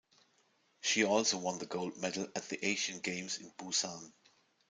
She also won the gold medal at the Asian Games in Busan.